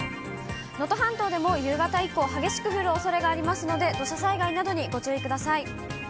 能登半島でも夕方以降、激しく降るおそれがありますので、土砂災害などにご注意ください。